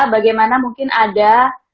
bagaimana mungkin ada